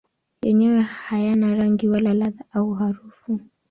Yenyewe hayana rangi wala ladha au harufu.